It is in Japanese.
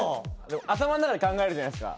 頭の中で考えるじゃないっすか。